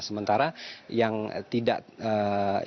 sementara kita tidak bisa mencari penyelesaian